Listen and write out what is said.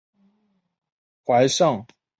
淮上军总司令部设在原清朝寿州总兵署。